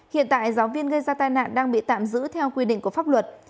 hiện tại giáo viên gây ra tai nạn đang bị tạm giữ theo quy định của pháp luật